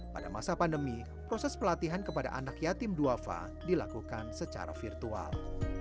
pada masa pandemi proses pelatihan kepada anak yatim duafa dilakukan secara virtual